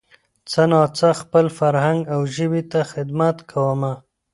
څه نا څه خپل فرهنګ او ژبې ته خدمت کومه